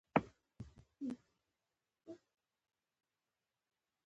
له کاناډا څخه چې رهي کېدم ډاکټر یې پېشبیني کړې وه.